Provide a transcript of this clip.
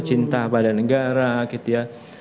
cinta pada negara gitu ya